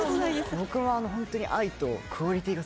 僕もホントに。